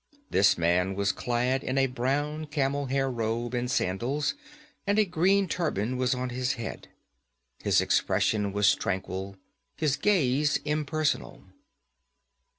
This man was clad in a brown camel hair robe and sandals, and a green turban was on his head. His expression was tranquil, his gaze impersonal.